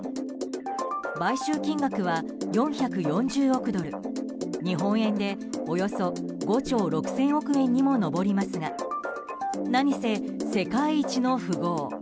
買収金額は４４０億ドル日本円でおよそ５兆６０００億円にも上りますが何せ、世界一の富豪。